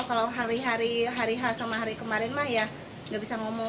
kalau hari hari hari h sama hari kemarin mah ya nggak bisa ngomong